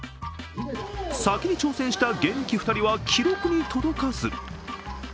先に挑戦した現役２人は記録に届かず。